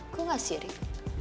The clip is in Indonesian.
gue gak sirik